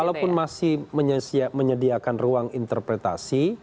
kalaupun masih menyediakan ruang interpretasi